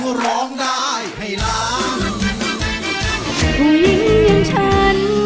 ผู้หญิงอย่างฉัน